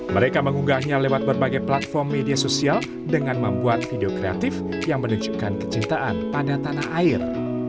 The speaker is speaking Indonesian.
mereka mengunggahnya lewat berbagai platform media sosial dengan membuat video kreatif yang menunjukkan kecintaan pada tanah air